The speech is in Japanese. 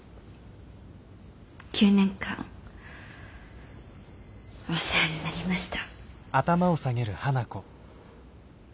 ９年間お世話になりました。